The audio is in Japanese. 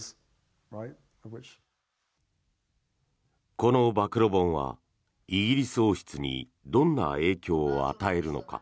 この暴露本は、イギリス王室にどんな影響を与えるのか。